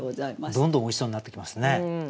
どんどんおいしそうになってきますね。